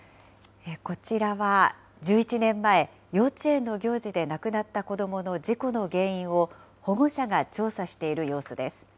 こちらは１１年前、幼稚園の行事で亡くなった子どもの事故の原因を、保護者が調査している様子です。